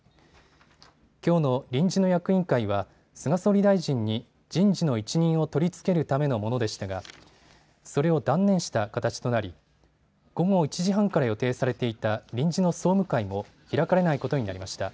きょうの臨時の役員会は菅総理大臣に人事の一任を取り付けるためのものでしたがそれを断念した形となり午後１時半から予定されていた臨時の総務会も開かれないことになりました。